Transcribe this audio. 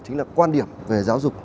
chính là quan điểm về giáo dục